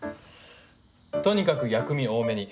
とにかく薬味多めに。